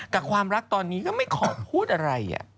แต่ความรักตอนนี้ก็ไม่ขอพูดอะไร